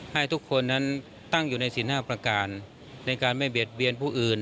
ให้ทุกคนนั้นตั้งอยู่ในสิน๕ประการในการไม่เบียดเบียนผู้อื่น